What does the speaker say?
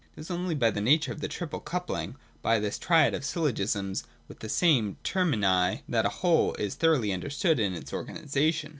— It is only by the nature of this triple coupling, by this triad of syllogisms with the same termini, that a whole is thoroughly understood in its organisation.